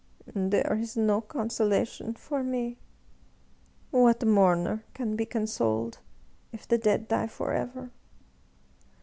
'*" There is no consolation for me ! What mourner can be consoled if the dead die forever?